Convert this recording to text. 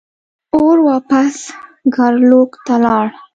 اور واپس ګارلوک ته لاړ.